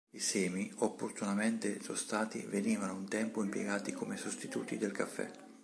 I semi, opportunamente tostati, venivano un tempo impiegati come sostituti del caffè.